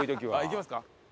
行きますか？